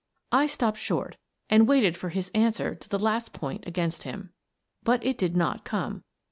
I stopped short and waited for his answer to the last point against him. But it did not come.